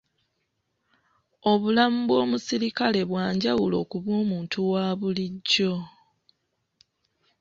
Obulamu bw'omusirikale bwa njawulo ku bw'omuntu wa bulijjo.